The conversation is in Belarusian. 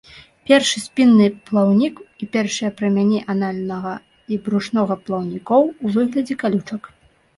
Першы спінны плаўнік і першыя прамяні анальнага і брушнога плаўнікоў у выглядзе калючак.